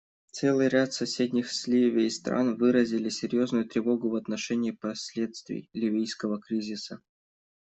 Целый ряд соседних с Ливией стран выразили серьезную тревогу в отношении последствий ливийского кризиса.